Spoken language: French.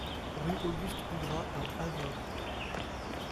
Rue Auguste Bougrat à Avord